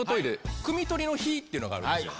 くみ取りの日っていうのがあるんですよ。